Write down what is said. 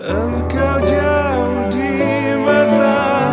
engkau jauh di mata